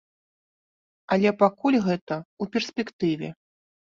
Але пакуль гэта ў перспектыве.